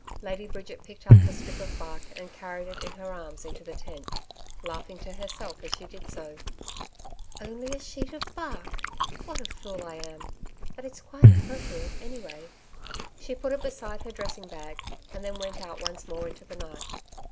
Lady Bridget picked up the strip of bark and carried it in her arms into the tent, laughing to herself as she did so. 'Only a sheet of bark! What a fool I am But it's quite appropriate, anyway.' She put it beside her dressing bag, and then went out once more into the night.